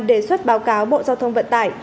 đề xuất báo cáo bộ giao thông vận tải